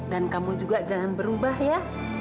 dan kamu juga jangan berubah ya